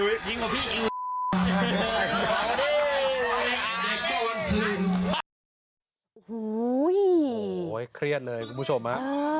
โอ้โหเครียดเลยคุณผู้ชมฮะ